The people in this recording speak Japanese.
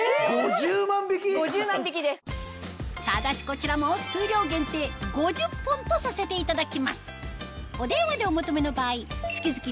５０万引き⁉ただしこちらも数量限定５０本とさせていただきます